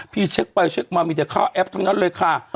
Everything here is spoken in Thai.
เช็คไปเช็คมามีแต่ค่าแอปทั้งนั้นเลยค่ะ